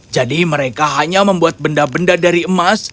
jadi mereka hanya membuat benda benda dari emas